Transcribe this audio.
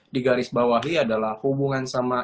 digarisbawahi adalah hubungan sama